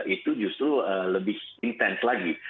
itu justru lebih intens lagi